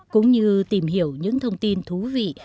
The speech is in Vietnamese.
cũng như tìm hiểu những thông tin thú vị